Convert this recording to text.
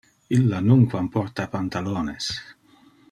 Illa nunquam porta pantalones.